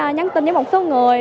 nhắn tin với một số người